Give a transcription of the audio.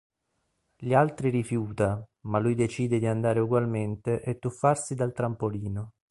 Gli altri rifiuta, ma lui decide di andare ugualmente e tuffarsi dal trampolino.